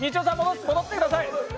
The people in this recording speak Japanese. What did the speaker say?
戻ってください。